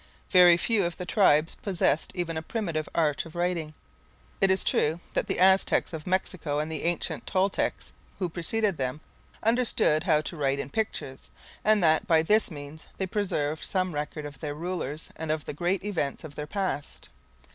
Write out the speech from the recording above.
Very few of the tribes possessed even a primitive art of writing. It is true that the Aztecs of Mexico, and the ancient Toltecs who preceded them, understood how to write in pictures, and that, by this means, they preserved some record of their rulers and of the great events of their past.